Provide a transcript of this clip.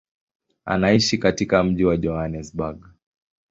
Anaishi katika mji wa Johannesburg.